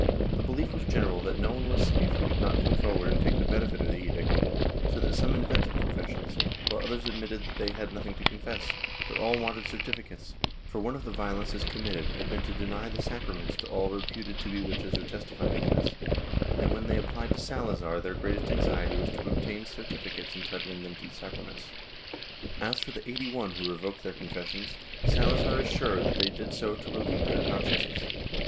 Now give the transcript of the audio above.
The belief was general that no one was safe who did not come forward and take the benefit of the edict, so that some invented confessions, while others admitted that they had nothing to confess, but all wanted certificates, for one of the violences committed had been to deny the sacraments to all reputed to be witches or testified against, and when they apphed to Salazar their greatest anxiety was to obtain certificates entitling them to the sacraments. As for the eighty one who revoked their confessions, Salazar is sure that they did so to relieve their consciences.